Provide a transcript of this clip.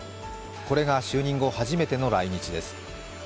これが就任後初めての来日です。